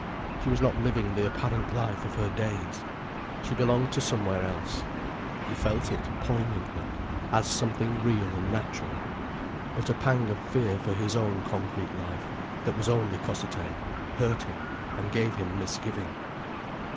She was not living the apparent life of her days. She belonged to somewhere else. He felt it poignantly, as something real and natural. But a pang of fear for his own concrete life, that was only Cossethay, hurt him, and gave him misgiving.